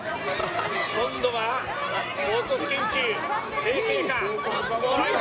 今度は広告研究会、成蹊か。